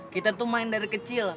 kita tuh main dari kecil